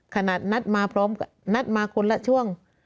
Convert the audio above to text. ขนาดนัดมาคนละช่วง